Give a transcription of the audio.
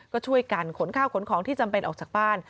ก็ช่วยกันขนข้าวขนของที่จำเป็นออกจากบ้าน